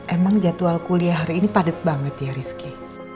emang jadwal kuliah hari ini padat banget ya rizky